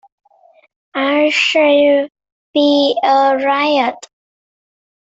I shall be a riot.